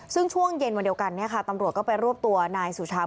ซึ่งช่วงเย็นวันเดียวกันตำรวจก็ไปรวบตัวนายสุชา